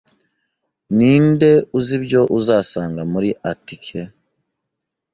Ninde uzi ibyo uzasanga muri atike?